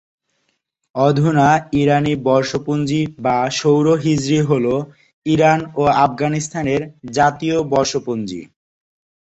অধুনা ইরানি বর্ষপঞ্জী বা সৌর হিজরি হল ইরান ও আফগানিস্তানের জাতীয় বর্ষপঞ্জী।